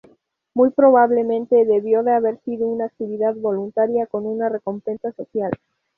Muy probablemente debió de haber sido una actividad voluntaria con una recompensa social.